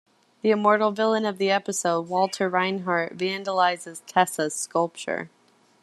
The Immortal villain of the episode, Walter Reinhardt, vandalized Tessa's sculpture.